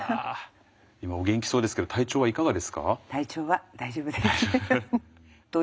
今お元気そうですけど体調はいかがですか？